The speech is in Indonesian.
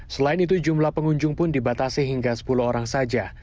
selain itu jumlah pengunjung pun dibatasi hingga sepuluh orang saja